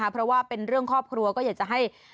เพราะว่าเป็นเรื่องครอบครัวก็อยากจะให้